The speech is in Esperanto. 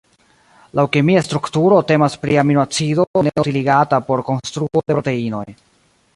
Laŭ kemia strukturo temas pri aminoacido ne utiligata por konstruo de proteinoj.